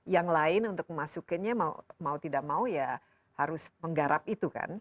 yang lain untuk memasukinnya mau tidak mau ya harus menggarap itu kan